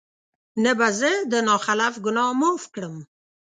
نه به زه د نا خلف ګناه معاف کړم